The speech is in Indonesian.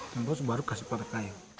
terus baru kasih pakai kayu